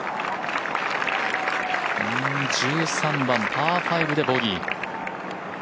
１３番、パー５でボギー。